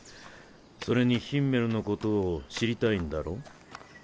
それにヒンメルのことを知りたいんだろう？